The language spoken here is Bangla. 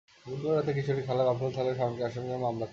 বুধবার রাতে কিশোরীর খালা কাফরুল থানায় শাওনকে আসামি করে মামলা করেন।